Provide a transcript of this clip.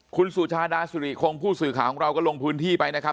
คุณสุชาดาสุริคงผู้สื่อข่าวของเราก็ลงพื้นที่ไปนะครับ